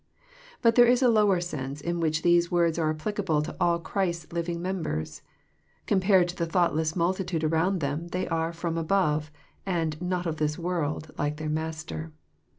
But there is a lower sense, in which these words are ap plicable to all Christ's living members. Compared to tho thoughtless multitude around them, they are " from above, and ^^ not of this world," like their Master.